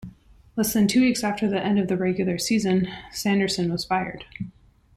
Less than two weeks after the end of the regular season, Sanderson was fired.